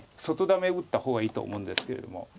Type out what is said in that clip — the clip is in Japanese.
外ダメ打った方がいいと思うんですけれども。